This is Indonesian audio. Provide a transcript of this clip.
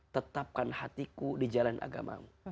tetapkan hatiku di jalan agama mu